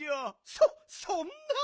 そっそんな！